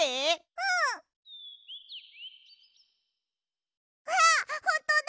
うん！あっほんとだ！